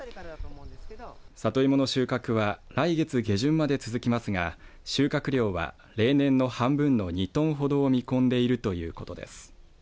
里芋の収穫は来月下旬まで続きますが収穫量は例年の半分の２トンほどを見込んでいるということです。